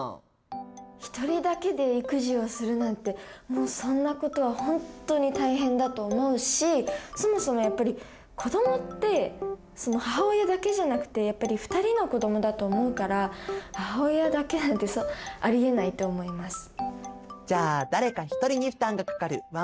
一人だけで育児をするなんてもうそんなことはほんとに大変だと思うしそもそもやっぱり子どもって母親だけじゃなくてやっぱり２人の子どもだと思うから母親だけなんてありえないと思います。